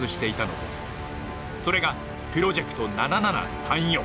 それがプロジェクト７７３４。